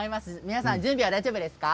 皆さん、準備は大丈夫ですか。